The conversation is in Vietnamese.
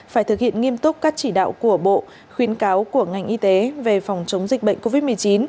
phải thực hiện nghiêm túc các chỉ đạo của bộ khuyến cáo của ngành y tế về phòng chống dịch bệnh covid một mươi chín